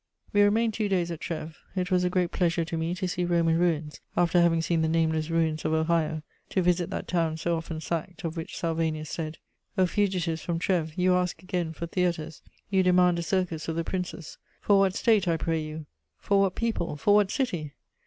We remained two days at Trèves. It was a great pleasure to me to see Roman ruins after having seen the nameless ruins of Ohio, to visit that town so often sacked, of which Salvianus said: "O fugitives from Trèves, you ask again for theatres, you demand a circus of the princes: for what State, I pray you; for what people, for what city?